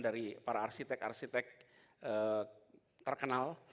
dari para arsitek arsitek terkenal